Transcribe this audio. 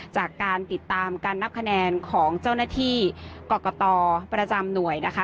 จากการติดตามการนับคะแนนของเจ้าหน้าที่กรกตประจำหน่วยนะคะ